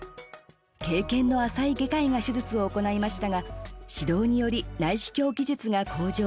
経験の浅い外科医が手術を行いましたが指導により内視鏡技術が向上。